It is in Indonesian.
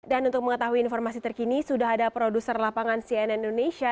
dan untuk mengetahui informasi terkini sudah ada produser lapangan cnn indonesia